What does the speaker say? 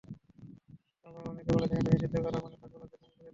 আবার অনেকে বলেছেন, এটা নিষিদ্ধ করা মানে ফাস্ট বোলারদের পঙ্গু করে দেওয়া।